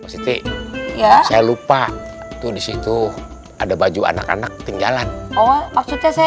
pasti ya saya lupa tuh disitu ada baju anak anak tinggalan oh maksudnya saya